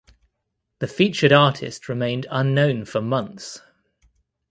The featured artist remained unknown for months.